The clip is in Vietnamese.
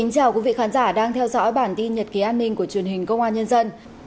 chào mừng quý vị đến với bản tin nhật ký an ninh của truyền hình công an nhân dân